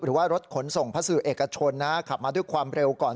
หรือว่ารถขนส่งพัสดุเอกชนขับมาด้วยความเร็วก่อน